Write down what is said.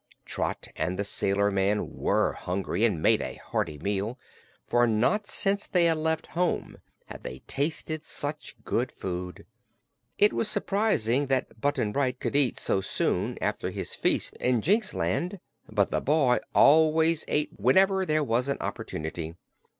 Trot and the sailor man were hungry and made a hearty meal, for not since they had left home had they tasted such good food. It was surprising that Button Bright could eat so soon after his feast in Jinxland, but the boy always ate whenever there was an opportunity.